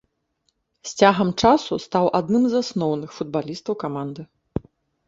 З цягам часу стаў адным з асноўных футбалістаў каманды.